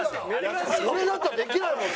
俺だったらできないもん